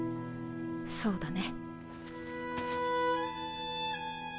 そうだね。